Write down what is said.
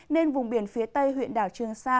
nên vùng biển phía tây huyện đảo trường sa